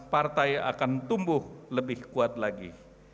partai akan tumbuh lebih kuat lagi